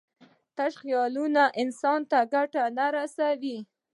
تش خیالونه انسان ته ګټه نه رسوي.